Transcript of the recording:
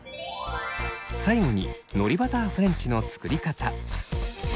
最後にのりバターフレンチの作り方。